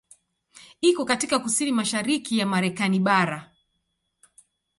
Iko katika kusini mashariki ya Marekani bara.